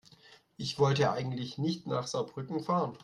Ich wollte eigentlich nicht nach Saarbrücken fahren